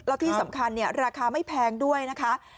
แล้วที่สำคัญราคาไม่แพงด้วยนะคะ